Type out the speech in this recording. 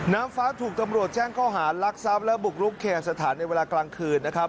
น้ำฟ้าถูกตำรวจแจ้งข้อหารลักทรัพย์และบุกรุกแคนสถานในเวลากลางคืนนะครับ